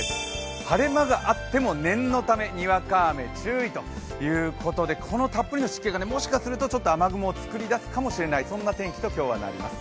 晴れ間があっても念のためにわか雨注意ということで、このたっぷりの湿気がもしかすると雨雲を作り出すかもしれない、そんな天気と今日はなります。